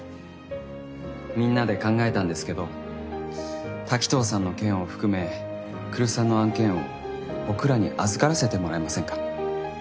みんなで考えたんですけど滝藤さんの件を含め来栖さんの案件を僕らに預からせてもらえませんか？